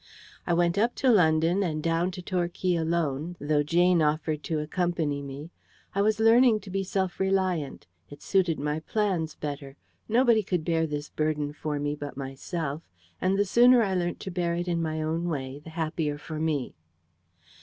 I went up to London and down to Torquay alone, though Jane offered to accompany me. I was learning to be self reliant. It suited my plans better. Nobody could bear this burden for me but myself; and the sooner I learnt to bear it my own way, the happier for me.